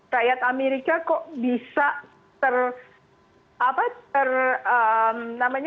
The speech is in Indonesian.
rakyat amerika kok bisa